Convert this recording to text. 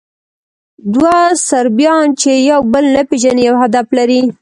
دوه صربیان، چې یو بل نه پېژني، یو هدف لري.